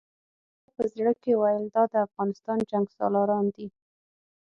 ما په زړه کې ویل دا د افغانستان جنګسالاران دي.